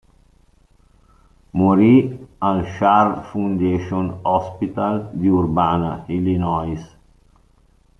Morì al Carle Foundation Hospital di Urbana, Illinois.